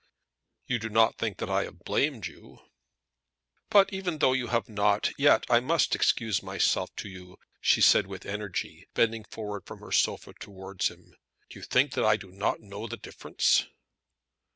"You do not think that I have blamed you." "But even though you have not, yet I must excuse myself to you," she said with energy, bending forward from her sofa towards him. "Do you think that I do not know the difference?"